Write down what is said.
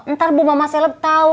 ntar bu mama seleb tahu